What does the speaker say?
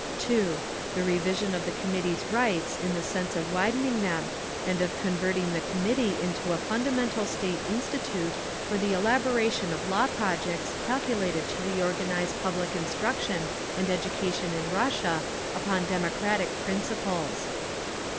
2. The revision of the Committee's rights in the sense of widening them, and of converting the Committee into a fundamental State institute for the elaboration of law projects calculated to reorganise public instruction and education in Russia upon democratic principles.